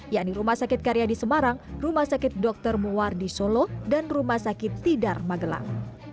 yaitu rumah sakit karya di semarang rumah sakit dokter muwardi solo dan rumah sakit tidarmagelang